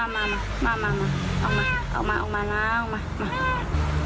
เอามาเอามาเอามาเอามาเอามาเอามา